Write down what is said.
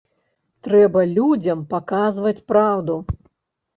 Трэба людзям паказваць праўду.